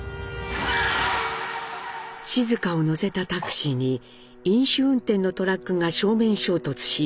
静香を乗せたタクシーに飲酒運転のトラックが正面衝突し大破したのです。